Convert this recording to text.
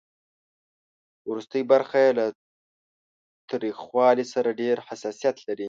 ورستۍ برخه یې له تریخوالي سره ډېر حساسیت لري.